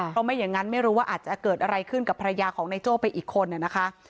เพราะไม่อย่างนั้นไม่รู้ว่าอาจจะเกิดอะไรขึ้นกับภรรยาของนายโจ้ไปอีกคนนะคะ